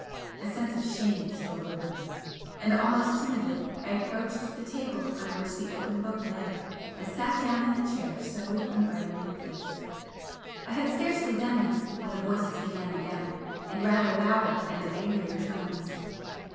A sense of shame stole over me and almost timidly I approached the table on which the open book lay, and sat down in the chair so invitingly placed. I had scarcely done this when the voices began again, in rather louder and angrier tones.